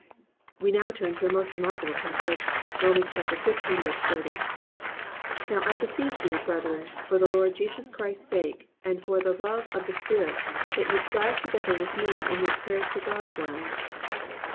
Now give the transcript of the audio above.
(4) We now turn to a most remarkable passage—Rom. 15:30. +"Now I beseech you, brethren, for the Lord Jesus Christ's sake, and for the love of the Spirit, that ye strive together with me in your prayers to God for me."